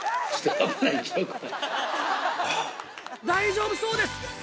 大丈夫そうです。